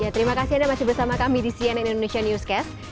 terima kasih anda masih bersama kami di cnn indonesia newscast